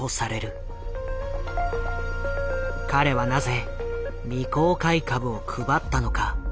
彼はなぜ未公開株を配ったのか。